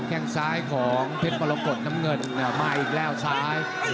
แค่งซ้ายของเพชรมรกฏน้ำเงินมาอีกแล้วซ้าย